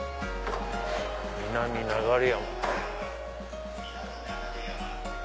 南流山。